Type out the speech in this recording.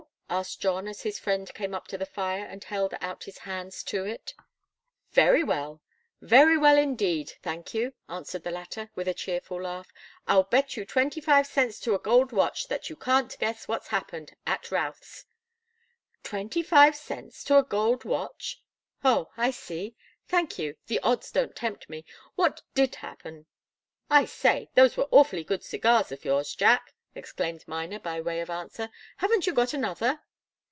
asked John, as his friend came up to the fire, and held out his hands to it. "Very well very well, indeed, thank you," answered the latter, with a cheerful laugh. "I'll bet you twenty five cents to a gold watch that you can't guess what's happened at Routh's." "Twenty five cents to a gold watch? Oh I see. Thank you the odds don't tempt me. What did happen?" "I say those were awfully good cigars of yours, Jack!" exclaimed Miner, by way of answer. "Haven't you got another?"